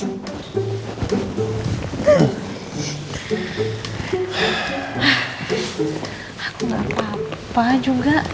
aku gak apa apa juga